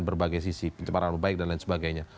berbagai sisi penciptaan baik dan lain sebagainya